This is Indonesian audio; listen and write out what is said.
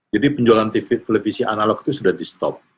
jadi penjualan televisi analog itu sudah di stop